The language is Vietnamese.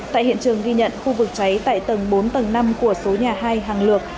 tại hiện trường ghi nhận khu vực cháy tại tầng bốn tầng năm của số nhà hai hàng lược